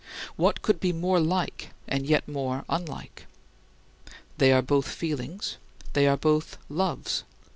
What could be more like, and yet what more unlike? They are both feelings; they are both loves.